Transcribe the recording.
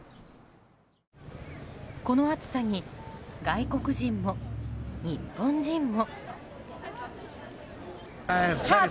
この暑さに外国人も日本人も。